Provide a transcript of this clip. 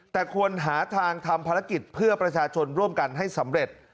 แต่ควรหาทางทำภารกิจเพื่อประชาชนร่วมกันให้สำเร็จ